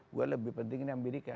gue lebih penting ini amerika